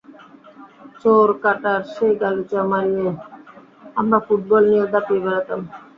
চোরকাঁটার সেই গালিচা মাড়িয়ে আমরা ফুটবল নিয়ে দাপিয়ে বেড়াতাম।